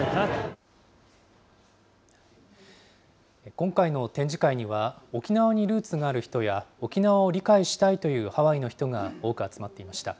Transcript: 今回の展示会には、沖縄にルーツがある人や、沖縄を理解したいというハワイの人が多く集まっていました。